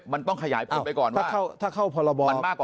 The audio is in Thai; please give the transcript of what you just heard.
มันต้องขยายผลไปก่อนว่ามันมากกว่าบุคคล